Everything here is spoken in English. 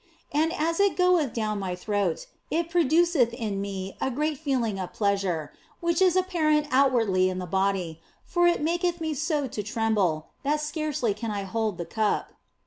And as it goeth down my throat it produceth in me a great feeling of pleasure, which is apparent outwardly in the body, for it maketh me so to tremble that scarcely can I hold the cup.